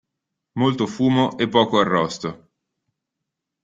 Molto fumo e poco arrosto.